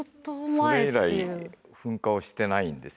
それ以来噴火をしてないんですよ。